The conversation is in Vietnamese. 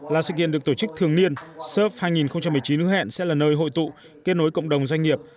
là sự kiện được tổ chức thường niên sep hai nghìn một mươi chín hứa hẹn sẽ là nơi hội tụ kết nối cộng đồng doanh nghiệp